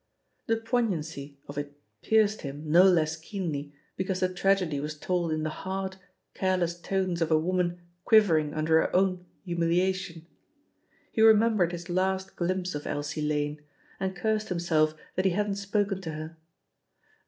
The poignancy of it pierced him no less keenly because the trag edy was told in the hard, careless tones of a woman quivering under her own humiliation. He remembered his last glimpse of Elsie Lane, and cursed himself that he hadn't spoken to her.